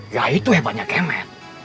ya itu hebatnya kemet